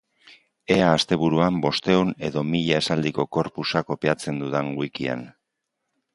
Ea asteburuan bostehun edo mila esaldiko corpusa kopiatzen dudan wikian.